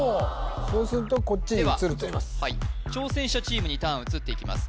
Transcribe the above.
そうするとこっちに移るとでははい挑戦者チームにターン移っていきます